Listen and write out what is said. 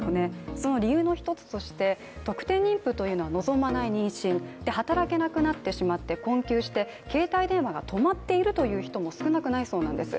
その理由の一つとして、特定妊婦というのは望まない妊娠、働けなくなってしまって困窮して、携帯電話が止まっているという人も少なくないそうなんです。